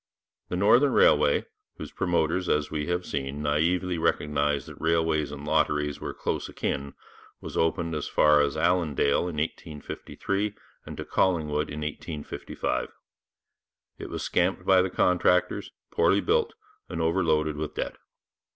The Northern Railway, whose promoters, as we have seen, naïvely recognized that railways and lotteries were close akin, was opened as far as Allandale in 1853, and to Collingwood in 1855. It was scamped by the contractors, poorly built, and overloaded with debt.